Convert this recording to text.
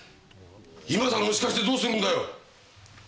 いまさら蒸し返してどうするんだよ？」